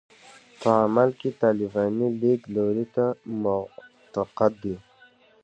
په عمل کې طالباني لیدلوري ته معتقد دي.